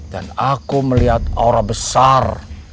dan aku melihat aura besar